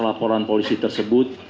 laporan polisi tersebut